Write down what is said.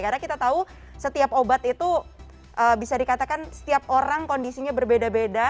karena kita tahu setiap obat itu bisa dikatakan setiap orang kondisinya berbeda beda